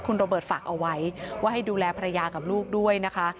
คุณโรเบิร์ตฝากเอาไว้ว่าให้ดูแลภรรยากับลูกด้วยนะคะ